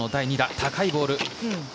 高いボール。